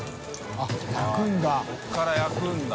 あぁここから焼くんだ。